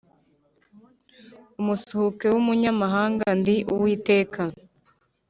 umusuhuke w umunyamahanga Ndi Uwiteka